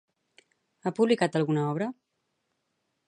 Ha publicat alguna obra?